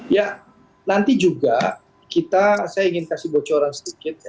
ya nanti juga kita saya ingin kasih bocoran sedikit ya